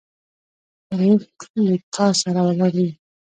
ورور تل له تا سره ولاړ وي.